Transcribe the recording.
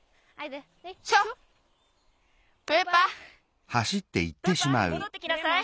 プパもどってきなさい！